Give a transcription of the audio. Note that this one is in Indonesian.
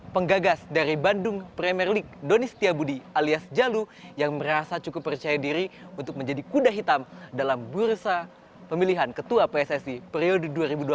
penggagas dari bandung premier league doni setiawudi alias jalus yang merasa cukup percaya diri untuk menjadi kuda hitam dalam bursa pemilihan ketua pssi periode dua ribu dua puluh dua ribu dua puluh empat